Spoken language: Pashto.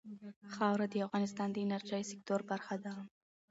خاوره د افغانستان د انرژۍ سکتور برخه ده.